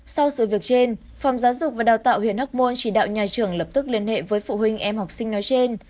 sau sự việc trên phòng giáo dục và đào tạo huyện hóc môn chỉ đạo nhà trường lập tức liên hệ với phụ huynh em học sinh nói trên